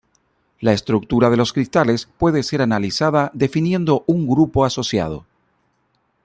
La estructura de los cristales puede ser analizada definiendo un grupo asociado.